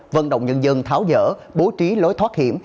vận động nhân dân tháo dỡ bố trí lối thoát hiểm